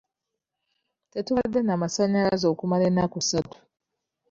Tetubadde na masanyalaze okumala ennaku satu.